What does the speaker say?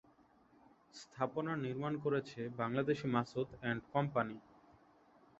স্থাপনা নির্মাণ করেছে বাংলাদেশী মাসুদ এন্ড কোম্পানি।